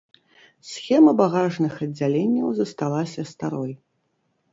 Схема багажных аддзяленняў засталася старой.